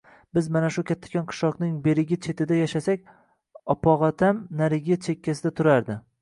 Biz mana shu kattakon qishloqning berigi chetida yashasak, opog‘otam narigi chekkasida turadi